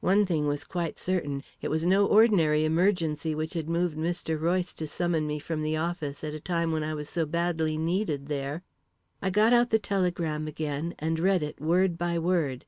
One thing was quite certain it was no ordinary emergency which had moved Mr. Royce to summon me from the office at a time when I was so badly needed there. I got out the telegram again, and read it, word by word.